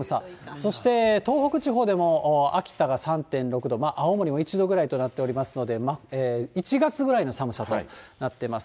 そして東北地方でも秋田が３．６度、青森も１度ぐらいとなっておりますので、１月ぐらいの寒さとなっています。